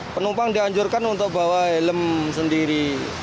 penumpang dianjurkan untuk bawa helm sendiri